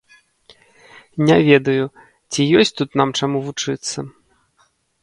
Не ведаю, ці ёсць тут нам чаму вучыцца.